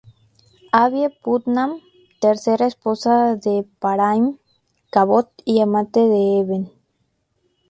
Abbie Putnam: Tercera esposa de Ephraim Cabot y amante de Eben.